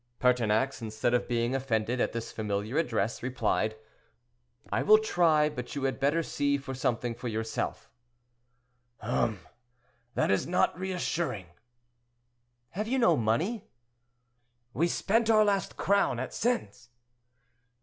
Pertinax, instead of being offended at this familiar address, replied, "I will try, but you had better see for something for yourself." "Hum! that is not reassuring." "Have you no money?" "We spent our last crown at Sens."